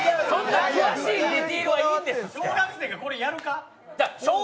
小学生がこれ、やるか？